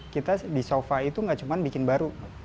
kita di sofa itu gak cuma bikin baru